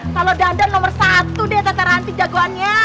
kalau dandar nomor satu deh tante ranti jagoannya